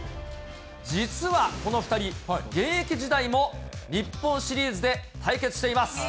実はこの２人、現役時代も日本シリーズで対決しています。